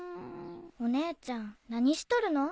お姉ちゃん何しとるの？